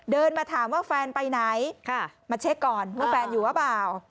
เดินมาถามว่าแฟนไปไหนมาเช็คก่อนว่าแฟนอยู่หรือเปล่า